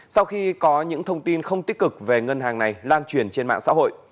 sau khi có những thông tin không tích cực về ngân hàng này lan truyền trên mạng xã hội